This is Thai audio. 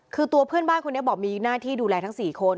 คือตัวเพื่อนบ้านคนนี้บอกมีหน้าที่ดูแลทั้ง๔คน